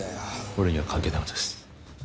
俺には関係ないことです